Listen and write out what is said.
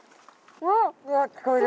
うわ聞こえる！